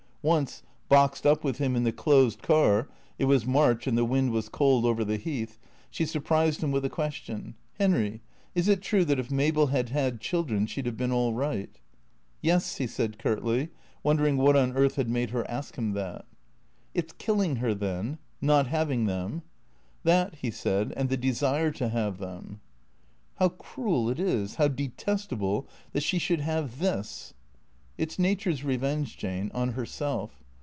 Once, boxed up with him in the closed car (it was March and the wind was cold over the Heath), she surprised him with a question. " Henry, is it true that if Mabel had had children she 'd have been all right ?"" Yes," he said curtly, wondering what on earth had made her ask him that. " It 's killing her then — not having them ?"" That," he said, " and the desire to have them." " How cruel it is, how detestable — that she should have this "" It 's Nature's revenge, Jane, on herself."